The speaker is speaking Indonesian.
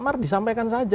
amar disampaikan saja